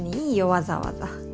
わざわざ。